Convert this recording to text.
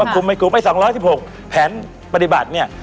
คุมไปคุมไป๒๑๖แผนปฏิบัติ